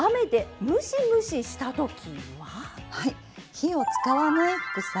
「火を使わない副菜」。